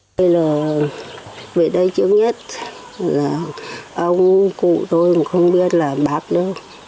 đây là về đây trước nhất là ông cụ tôi không biết là bác đâu